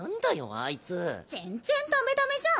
あいつ全然ダメダメじゃん